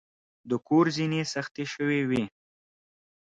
د کور زینې سختې شوې وې.